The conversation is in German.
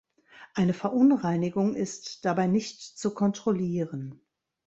Eine Verunreinigung ist dabei nicht zu kontrollieren.